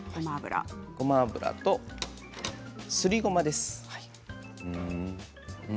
ごま油とすりごまです。